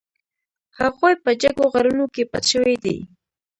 هغوی په جګو غرونو کې پټ شوي دي.